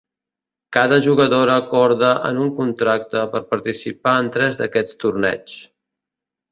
Cada jugadora acorda en un contracte per participar en tres d'aquests torneigs.